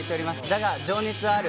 『だが、情熱はある』